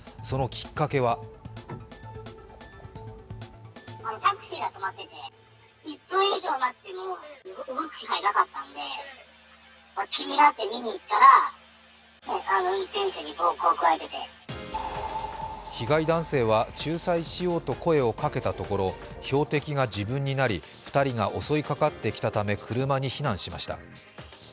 そのきっかけは被害男性は仲裁しようと声をかけたところ、標的が自分になり２人が襲いかかってきたため車に避難しました。